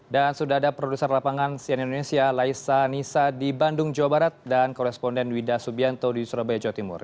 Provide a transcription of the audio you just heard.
dan sudah ada produser lapangan sian indonesia laisa nisa di bandung jawa barat dan koresponden wida subianto di surabaya jawa timur